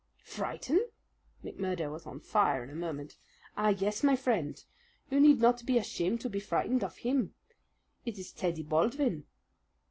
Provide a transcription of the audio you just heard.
"Frighten!" McMurdo was on fire in a moment. "Ah, yes, my friend! You need not be ashamed to be frightened of him. It is Teddy Baldwin."